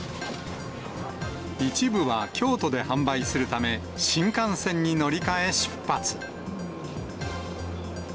一部は京都で販売するため、新幹線に乗り換え出発。